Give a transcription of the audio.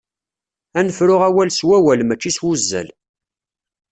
Ad nefru awal s wawal mačči s wuzzal.